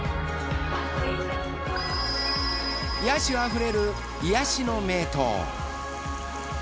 野趣あふれる癒やしの名湯。